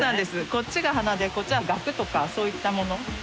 こっちが花でこっちはガクとかそういったもの。